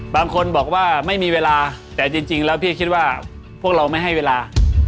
บางคนบอกว่าไม่มีเวลาแต่จริงแล้วพี่คิดว่าพวกเราไม่ให้เวลา